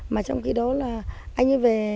mà trong khi đó là anh ấy về